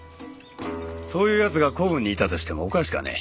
そういうやつが子分にいたとしてもおかしくはねえ。